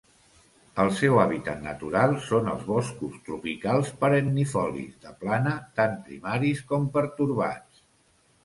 El seu hàbitat natural són els boscos tropicals perennifolis de plana, tant primaris com pertorbats.